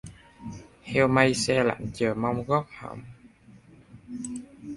Heo may xe lạnh chờ mong gót hồng.